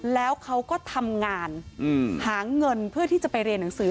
แล้วเขาก็ทำงานหาเงินเพื่อที่จะไปเรียนหนังสือ